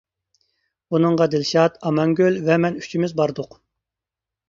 ئۇنىڭغا دىلشات، ئامانگۈل ۋە مەن ئۈچىمىز باردۇق.